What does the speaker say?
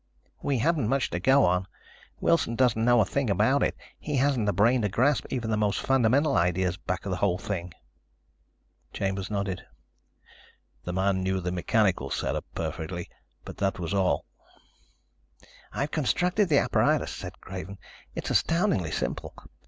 "We haven't much to go on. Wilson doesn't know a thing about it. He hasn't the brain to grasp even the most fundamental ideas back of the whole thing." Chambers nodded. "The man knew the mechanical setup perfectly, but that was all." "I've constructed the apparatus," said Craven. "It's astoundingly simple.